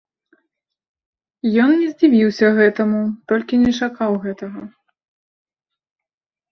Ён не здзівіўся гэтаму, толькі не чакаў гэтага.